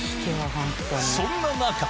そんな中。